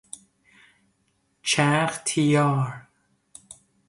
چرخ طیار